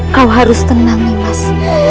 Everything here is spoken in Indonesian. kau harus tenang nih mas